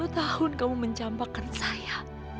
dua puluh tahun kamu mencampakkan saya